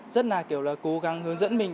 rất là kiểu là cố gắng hướng dẫn mình